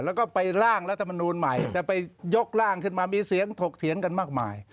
แล้วก็ไปร่างรัฐมนูลใหม่จะไปยกร่างขึ้นมามีเสียงถกเถียงกันมากมาย